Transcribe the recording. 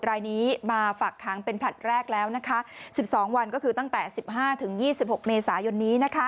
รายนี้มาฝากค้างเป็นผลัดแรกแล้วนะคะ๑๒วันก็คือตั้งแต่๑๕๒๖เมษายนนี้